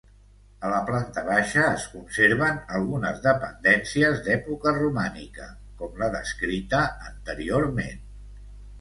A la planta baixa es conserven algunes dependències d'època romànica, com la descrita anteriorment.